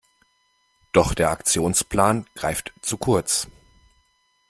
Doch der Aktionsplan greift zu kurz.